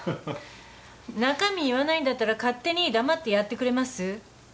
中身言わないんだったら勝手に黙ってやってくれます？